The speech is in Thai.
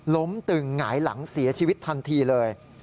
ตึงหงายหลังเสียชีวิตทันทีเลย